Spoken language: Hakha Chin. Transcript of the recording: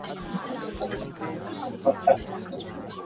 Nan nih phu tah nan kal kho lai maw?